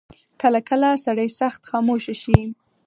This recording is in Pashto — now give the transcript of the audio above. کله کله سړی سخت خاموشه شي.